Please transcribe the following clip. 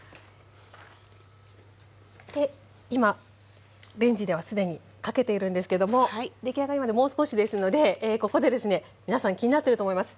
で今レンジでは既にかけているんですけども出来上がりまでもう少しですのでここでですね皆さん気になってると思います。